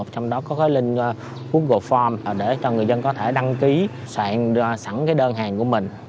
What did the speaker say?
trong đó có cái link google farm để cho người dân có thể đăng ký soạn sẵn cái đơn hàng của mình